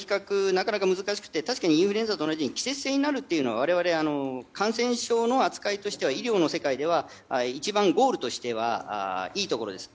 なかなか難しくてインフルエンザのように季節性になるというのは我々、感染症の扱いとしては医療の世界では一番ゴールとしてはいいところです。